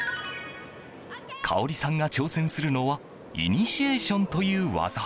かおりさんが挑戦するのはイニシエーションという技。